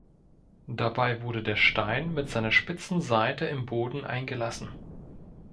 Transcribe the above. Dabei wurde der Stein mit seiner spitzen Seite im Boden eingelassen.